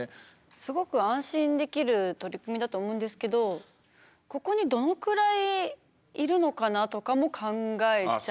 すごく安心できる取り組みだと思うんですけどここにどのくらいいるのかなとかも考えちゃいます。